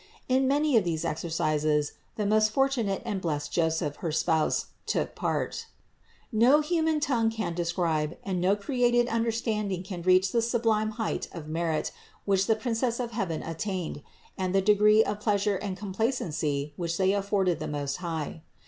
In many of these exercises the most fortunate and blessed Joseph, her spouse, took part. 442. No human tongue can describe, and no created understanding can reach the sublime height of merit which the Princess of heaven attained, and the degree of pleasure and complacency which they afforded the Most High.